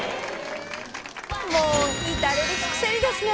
もう至れり尽くせりですね。